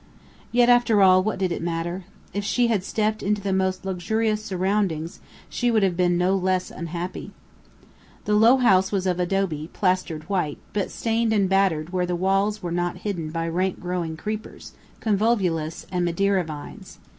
Yet, after all, what did it matter? If she had stepped into the most luxurious surroundings she would have been no less unhappy. The low house was of adobe, plastered white, but stained and battered where the walls were not hidden by rank growing creepers, convolvulus, and Madeira vines.